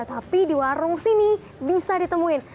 tapi di warung sini bisa ditemuin